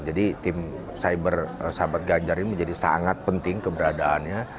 tim cyber sahabat ganjar ini menjadi sangat penting keberadaannya